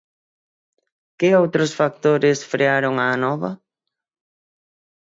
Que outros factores frearon a Anova?